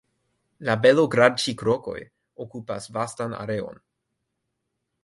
La Belogradĉik-rokoj okupas vastan areon.